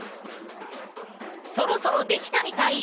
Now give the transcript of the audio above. そろそろ出来たみたい！